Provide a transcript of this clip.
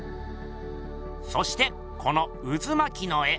そしてこのうずまきの絵。